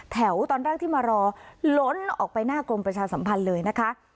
ตอนแรกที่มารอล้นออกไปหน้ากรมประชาสัมพันธ์เลยนะคะ